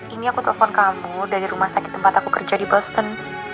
ini aku telepon kamu dari rumah sakit tempat aku kerja di boston